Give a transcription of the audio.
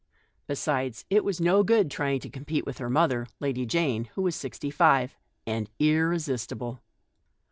Besides, it was no good trying to compete with her mother, Lady Jane, who was sixty five and irresistible.